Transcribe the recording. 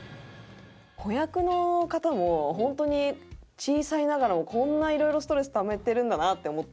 子役の方も本当に小さいながらもこんないろいろストレスためてるんだなって思って。